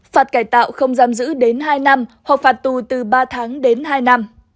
phạt cải tạo không giam giữ đến hai năm hoặc phạt tù từ ba tháng đến hai năm